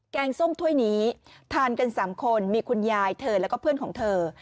งส้มถ้วยนี้ทานกัน๓คนมีคุณยายเธอแล้วก็เพื่อนของเธอ